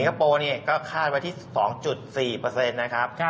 สิงคโปร์ก็คาดไว้ที่๒๔เปอร์เซ็นต์นะครับ